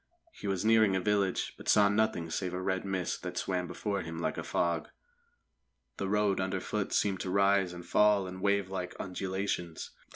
He was nearing a village, but saw nothing save a red mist that swam before him like a fog. The road underfoot seemed to rise and fall in wavelike undulations.